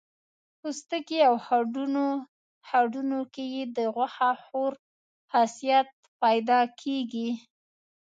پوستکي او هډونو کې یې د غوښه خور خاصیت پیدا کېږي.